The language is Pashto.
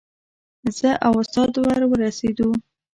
زه او استاد ور ورسېدو.